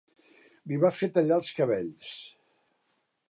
Li va fer tallar els cabells